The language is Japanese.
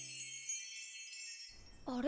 あれ？